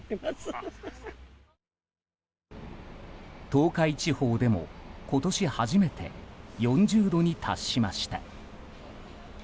東海地方でも、今年初めて４０度に達しました。